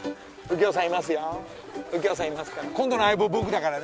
右京さんいますから。